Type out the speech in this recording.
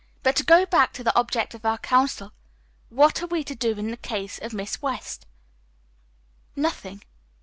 But to go back to the object of our council, what are we to do in the case of Miss West?" "Nothing."